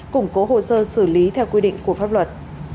củng cố hồ sơ xử lý theo quy định của pháp luật